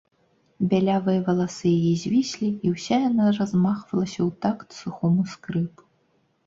Бялявыя валасы яе звіслі, і ўся яна размахвалася ў такт сухому скрыпу.